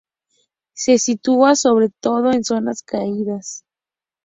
Se sitúa sobre todo en zonas cálidas.